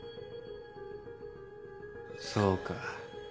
そうか。